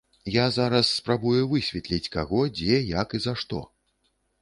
Я зараз спрабую высветліць, каго, дзе, як і за што.